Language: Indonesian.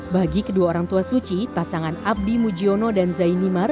bagi kedua orang tua suci pasangan abdi mujiono dan zainimar